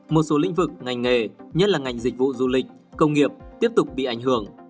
một số lĩnh vực ngành nghề nhất là ngành dịch vụ du lịch công nghiệp tiếp tục bị ảnh hưởng